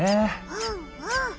うんうん。